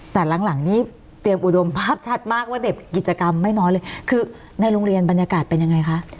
แต่หลังนี้เตรียมอุดมภาพชัดมากว่าเด็กกิจกรรมไม่น้อยเลยคือในโรงเรียนบรรยากาศเป็นยังไงคะ